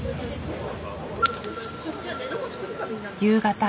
夕方。